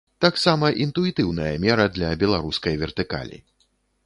Таксама інтуітыўная мера для беларускай вертыкалі.